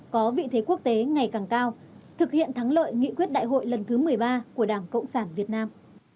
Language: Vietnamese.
có vị thế quốc tế ngày càng cao thực hiện thắng lợi nghị quyết đại hội lần thứ một mươi ba của đảng cộng sản việt nam